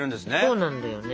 そうなんだよね。